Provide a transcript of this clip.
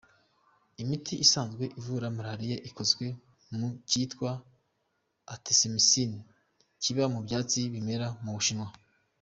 Imiti isanzwe ivura Malariya ikozwe mu kitwa Artemisin kiba mu byatsi bimera mu Bushinwa.